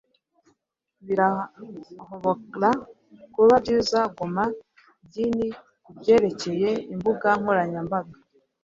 Birahobora kuba byiza guoma byinhi kubyerekeye imbuga nkoranyambaga